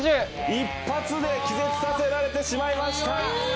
一発で気絶させられてしまいました。